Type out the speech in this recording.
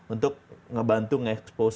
untuk ngebantu ngexpose